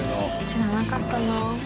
知らなかったな。